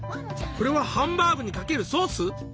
これはハンバーグにかけるソース？